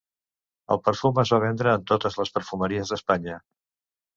El perfum es va vendre en totes les perfumeries d'Espanya.